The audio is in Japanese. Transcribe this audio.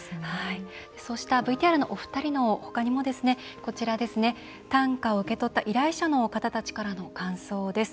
そうしたＶＴＲのお二人のほかにも短歌を受け取った依頼者の方たちからの感想です。